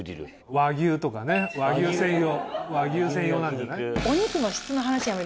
和牛とかね和牛専用和牛専用なんじゃない？